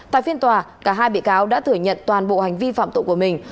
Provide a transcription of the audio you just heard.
tại phiên tòa cả hai bị cáo đã thử nhận toàn bộ hành vi phạm tội của mình